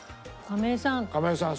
亀井さん。